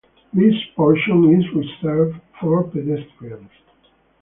This portion is reserved for pedestrians.